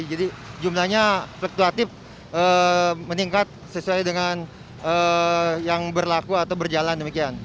jumlahnya fluktuatif meningkat sesuai dengan yang berlaku atau berjalan demikian